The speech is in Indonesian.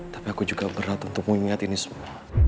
tapi aku juga berat untuk mengingat ini semua